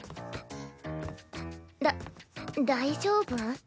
だ大丈夫？